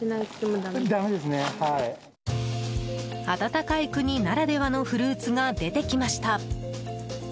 暖かい国ならではのフルーツが出てきました。